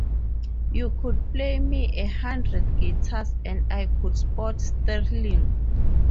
You could play me a hundred guitars, and I could spot Sterling.